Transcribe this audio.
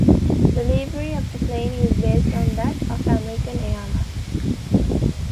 The livery of the plane is based on that of American Airlines.